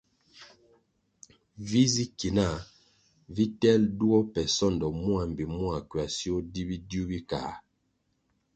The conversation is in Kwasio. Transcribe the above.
Vi zi ki nah vi telʼ duo pe sondo mua mbpi mua kwasio di bidiu bi kā.